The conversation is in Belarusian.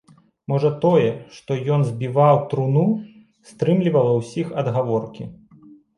Можа тое, што ён збіваў труну, стрымлівала ўсіх ад гаворкі.